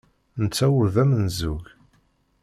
Netta ur d amenzug.